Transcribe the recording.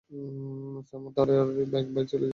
ছামূদ-এর আর এক ভাই ছিল জুদায়স।